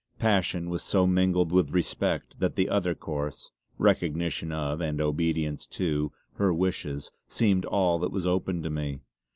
Passion was so mingled with respect that the other course, recognition of, and obedience to, her wishes seemed all that was open to me.